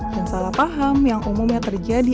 dan salah paham yang umumnya terjadi